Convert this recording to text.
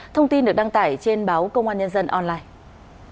thông tin được đăng tải trên báo công an nhân dân online